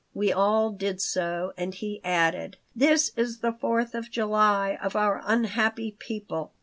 We all did so, and he added, "This is the Fourth of July of our unhappy people."